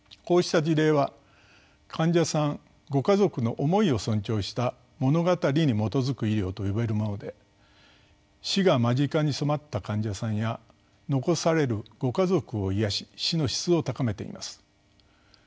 こうした事例は患者さんご家族の思いを尊重した「物語に基づく医療」と呼べるもので死が間近に迫った患者さんや残されるご家族を癒やし「死の質」を高めています。